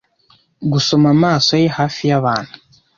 gusoma amaso ye hafi yabantu